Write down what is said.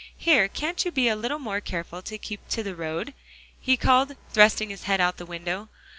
Here, can't you be a little more careful to keep the road?" he called, thrusting his head out of the window.